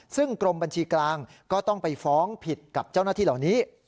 ซึ่งกรมบัญชีกลางก็ต้องไปฟ้องผิดกับเจ้าหน้าที่เหล่านี้